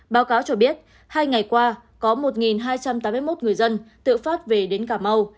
báo cáo cho biết hai ngày qua có một hai trăm tám mươi một người dân tự phát về đến cà mau